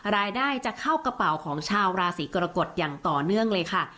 รายได้จะเข้ากระเป๋าของชาวราศีกรกฎอย่างต่อเนื่องเลยค่ะ